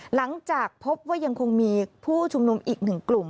หลังจากพบว่ายังคงมีผู้ชุมนุมอีกหนึ่งกลุ่ม